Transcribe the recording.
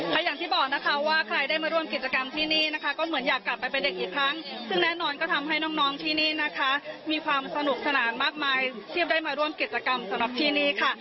และอย่างที่บอกนะคะว่าใครได้มาร่วมกิจกรรมที่นี่นะคะก็เหมือนอยากกลับไปเป็นเด็กอีกครั้งซึ่งแน่นอนก็ทำให้น้องที่นี่นะคะมีความสนุกสนานมากมายเทียบได้มาร่วมกิจกรรมสำหรับที่นี่ค่ะ